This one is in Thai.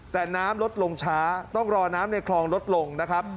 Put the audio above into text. แต่น้ำลดลงช้าต้องรอน้ำในคลองลดลงนะครับ